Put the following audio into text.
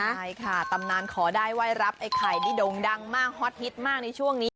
ใช่ค่ะตำนานขอได้ไหว้รับไอ้ไข่นี่ด่งดังมากฮอตฮิตมากในช่วงนี้